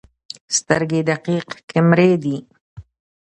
سترګې دقیق کیمرې دي.